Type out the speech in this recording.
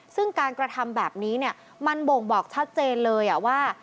ซึ่งการกระทำแบบนี้มันบ่งบอกชัดเจนเลยว่า